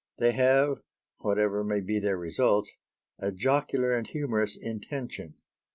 They have whatever may be their results a jocular and humorous intention.